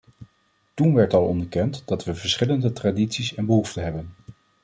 Toen werd al onderkend dat we verschillende tradities en behoeften hebben.